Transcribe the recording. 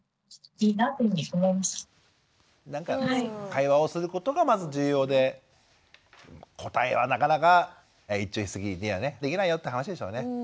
会話をすることがまず重要で答えはなかなか一朝一夕にはできないよって話でしょうね。